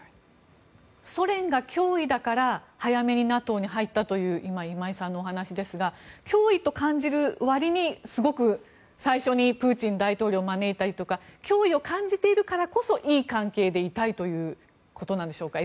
ソ連が脅威だから早めにＮＡＴＯに入ったという今井さんのお話ですが脅威と感じる割にすごく最初にプーチン大統領を招いたりとか脅威を感じているからこそいい関係でいたいということなんでしょうか。